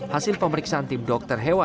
hasil pemeriksaan tim dokter hewan